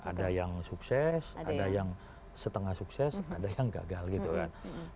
ada yang sukses ada yang setengah sukses ada yang gagal gitu kan